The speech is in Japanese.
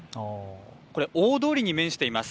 大通りに面しています。